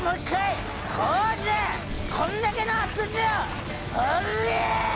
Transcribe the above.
こんだけの土をおりゃ！